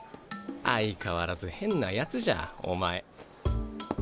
相変わらず変なやつじゃお前。